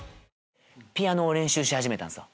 ピアノを練習し始めたんすよ